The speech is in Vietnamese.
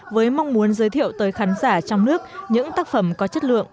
với mong muốn giới thiệu tới khán giả trong nước những tác phẩm có chất lượng